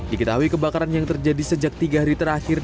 diketahui kebakaran yang terjadi sejak tiga hari terakhir